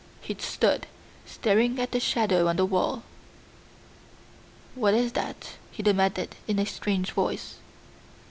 He stood staring at the shadow on the wall. "What is that?" he demanded in a strange voice.